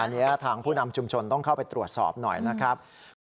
อันนี้ทางผู้นำชุมชนต้องเข้าไปตรวจสอบหน่อยนะครับ